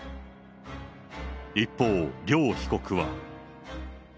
一方、両被告は。